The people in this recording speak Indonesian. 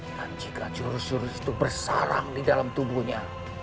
dan jika jurus jurus itu bersarang di dalam tubuhnya